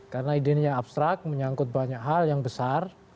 karena ide ini yang abstrak menyangkut banyak hal yang besar